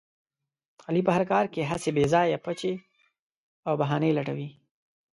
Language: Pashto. علي په هر کار کې هسې بې ځایه پچې او بهانې لټوي.